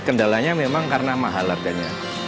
kendalanya memang karena mahal harganya